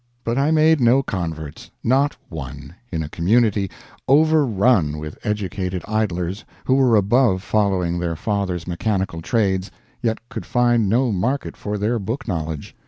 But I made no converts. Not one, in a community overrun with educated idlers who were above following their fathers' mechanical trades, yet could find no market for their book knowledge.